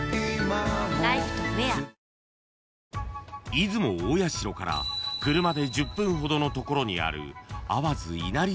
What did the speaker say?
［出雲大社から車で１０分ほどの所にある］